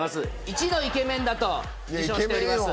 一のイケメンだと自称しております